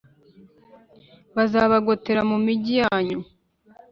bazabagotera mu migi yanyu. “